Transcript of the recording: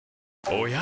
おや？